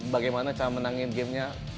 bagaimana cara menangin gamenya